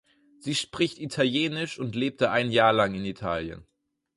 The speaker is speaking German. Sie spricht Italienisch und lebte ein Jahr lang in Italien.